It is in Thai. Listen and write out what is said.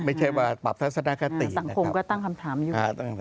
ไม่ใช่ว่าปรับทัศนคติสังคมก็ตั้งคำถามอยู่